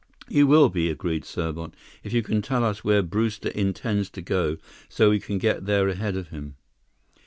"You will be," agreed Serbot, "if you can tell us where Brewster intends to go, so we can get there ahead of him."